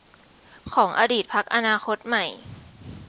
ของอดีตพรรคอนาคตใหม่